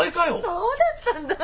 そうだったんだ。